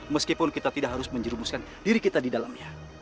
meskipun kita tidak harus menjerumuskan diri kita di dalamnya